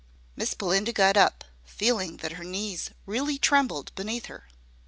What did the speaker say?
Miss Belinda got up, feeling that her knees really trembled beneath her.